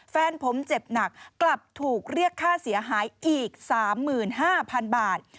แฟนผมเจ็บหนักกลับถูกเรียกค่าเสียหายอีก๓๕๐๐๐บาท